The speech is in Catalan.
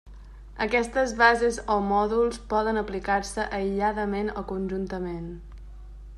Aquestes bases o mòduls poden aplicar-se aïlladament o conjuntament.